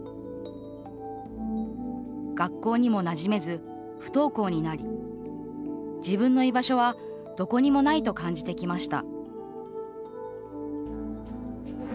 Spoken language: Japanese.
学校にもなじめず、不登校になり自分の居場所はどこにもないと感じてきました